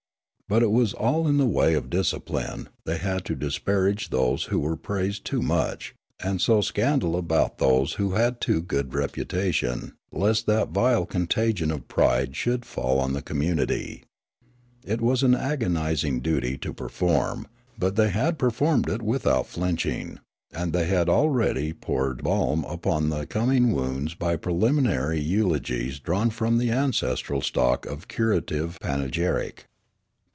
But it was all in the wa}^ of discipline ; they had to disparage those who were praised too much, and sow scandal about those who had too good reputation lest that vile contagion of pride should fall on the community. It was an agonising duty to per form, but they had performed it without flinching ; and they had already poured balm upon the coming wounds by preliminary eulogies drawn from the ancestral stock of curative panegyric.